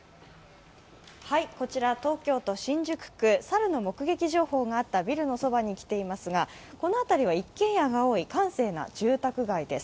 東京都新宿区猿の目撃情報があったビルのそばに来ていますが、この辺りは一軒家が多い閑静な住宅街です。